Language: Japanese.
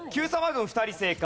軍２人正解。